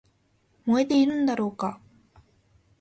燃えているんだろうか